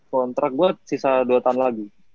kontrak gue sisa dua tahun lagi